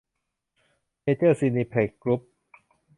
เมเจอร์ ซีนีเพล็กซ์ กรุ้ป